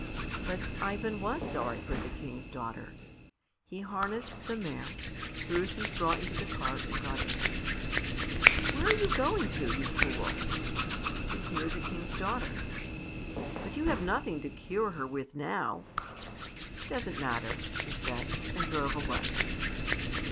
But Ivan was sorry for the King's daughter. He harnessed the mare, threw some straw into the cart and got in. "Where are you going to, you fool?" "To cure the King's daughter." "But you have nothing to cure her with now." "It doesn't matter," he said, and drove away.